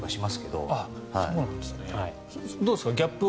どうですか？